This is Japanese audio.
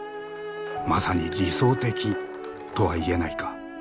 まさに理想的とは言えないか。